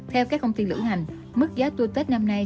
theo các công ty lữ hành mức giá tour tết năm nay